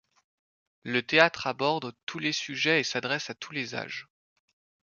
Le théâtre aborde tous les sujets et s'adresse à tous les âges.